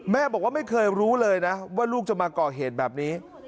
แม่บอกว่าไม่เคยรู้เลยนะว่าลูกจะมาก่อเหตุแบบนี้